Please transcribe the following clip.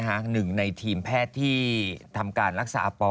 หนึ่งในทีมแพทย์ที่ทำการรักษาอาปอ